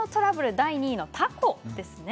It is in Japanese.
第２位のタコです。